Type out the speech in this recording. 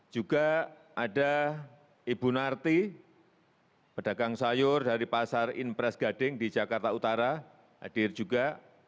juga ada ibu narti pedagang sayur dari pasar impres gading di jakarta utara hadir juga